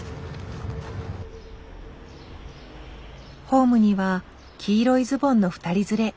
ホームには黄色いズボンの２人連れ。